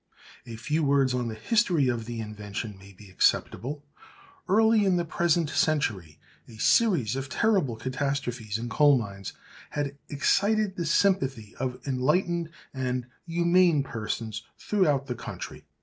A few words on the history of the invention may be acceptable. Early in the present century a series of terrible catastrophes in coal mines had excited the sympathy of enlightened and humane persons throughout the country.